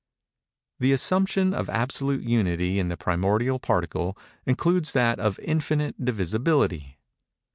The assumption of absolute Unity in the primordial Particle includes that of infinite divisibility.